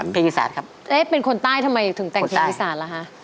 เพลงอีสานครับเอ๊ะเป็นคนใต้ทำไมถึงแต่งเพลงอีสานล่ะคะ